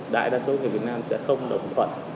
đại đa số người việt nam sẽ không đồng thuận